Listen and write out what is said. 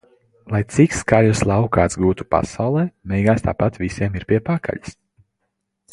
Lai cik skaļu slavu kāds gūtu pasaulē - beigās tāpat visiem ir pie pakaļas.